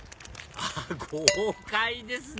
豪快ですね！